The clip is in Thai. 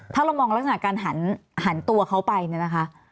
ถ้าเรามองลักษณะการหันตัวเขาไปเนี่ยนะคะ